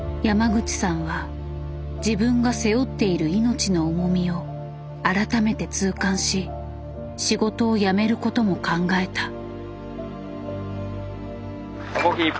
山口さんは自分が背負っている命の重みを改めて痛感し仕事を辞めることも考えた。